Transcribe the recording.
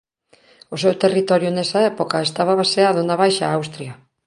O seu territorio nesa época estaba baseado na Baixa Austria.